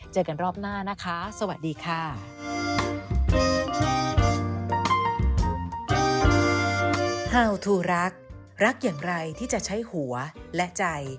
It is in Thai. เจอกันรอบหน้านะคะสวัสดีค่ะ